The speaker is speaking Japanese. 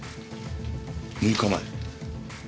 ６日前。